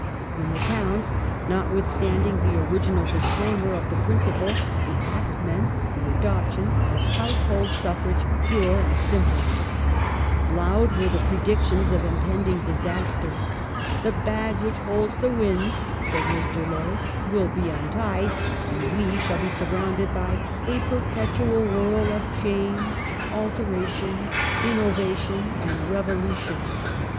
In the towns, notwith standing the original disclaimer of the principle, the Act meant the adoption of " household suffrage pure and simple ". Loud were the predictions of impending disaster. " The bag which holds the winds," said Mr. Lowe, " will be untied, and we shall be surrounded by a perpetual whu'l of change, alteration, innovation, and revolu tion."